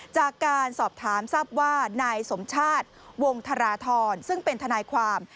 จากการสอบถามทราบว่านายสมชาติวงธราธรซึ่งเป็นทนายความ